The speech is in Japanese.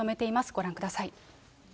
ご覧ください。